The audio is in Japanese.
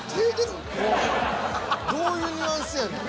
どういうニュアンスやねん。